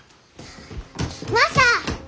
マサ！